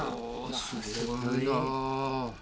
すごいな。